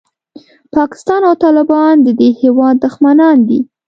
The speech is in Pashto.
پاکستان او طالبان د دې هېواد دښمنان دي.